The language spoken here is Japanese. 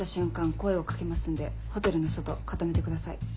声を掛けますんでホテルの外固めてください。